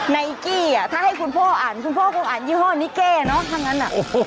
นายกี้ถ้าให้คุณพ่ออ่านคุณพ่อคงอ่านยี่ห้อนิเก้เนอะถ้างั้น